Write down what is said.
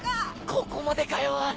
ここまでかよ。